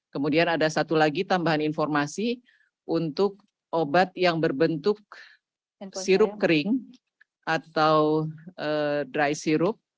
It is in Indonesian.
kemudian ada satu lagi tambahan informasi untuk obat yang berbentuk sirup kering atau dry sirup